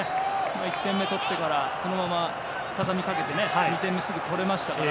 １点目取ってからそのままたたみかけて２点目をすぐ取れましたから。